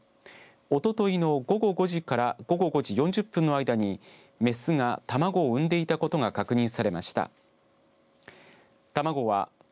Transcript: おとといの午後５時から午後５時４０分の間にメスが卵を産んでいたことが確認されました。